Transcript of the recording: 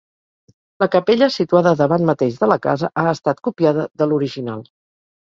La capella, situada davant mateix de la casa, ha estat copiada de l'original.